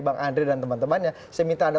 bang andre dan teman temannya saya minta anda